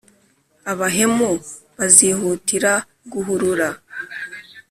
abahemu bazihutira guhurura